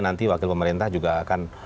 nanti wakil pemerintah juga akan